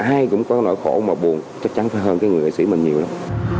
ai cũng có nỗi khổ mà buồn chắc chắn phải hơn cái người nghệ sĩ mình nhiều lắm